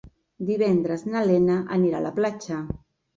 Divendres na Lena anirà a la platja.